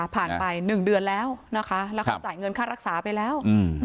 ไป๑เดือนแล้วนะคะแล้วเขาจ่ายเงินค่ารักษาไปแล้ว